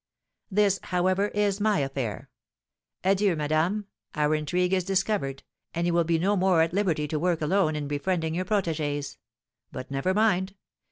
This, however, is my affair. Adieu, madame, our intrigue is discovered; and you will be no more at liberty to work alone in befriending your protégées. But, never mind!